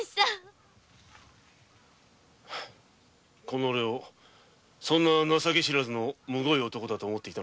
このおれをそんな情け知らずのむごい男だと思っていたのか？